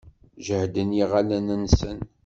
Jehden yiɣallen-nnes.